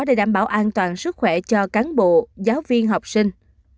để đảm bảo an toàn sức khỏe cho cán bộ giáo viên học sinh